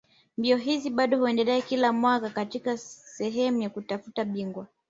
Mbio hizi bado huendelea kila mwaka kama sehemu ya kutafuta bingwa